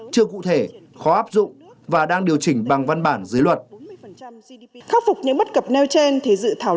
chưa cụ thể khó áp dụng và đang điều chỉnh